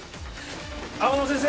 天沼先生